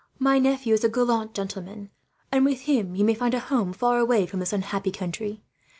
My nephew is a gallant gentleman, and with him you may find a home far away from this unhappy country.